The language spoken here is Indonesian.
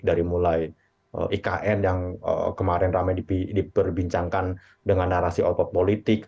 dari mulai ikn yang kemarin ramai diperbincangkan dengan narasi output politik